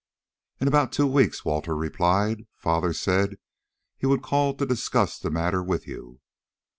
"In about two weeks," Walter replied. "Father said he would call to discuss the matter with you."